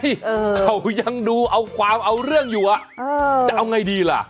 เขายังดูเอาความเอาเรื่องอยู่อ่ะจะเอาไงดีล่ะ